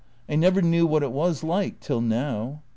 I never knew what it was like till now.